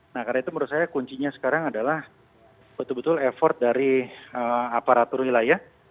nah karena itu menurut saya kuncinya sekarang adalah betul betul effort dari aparatur wilayah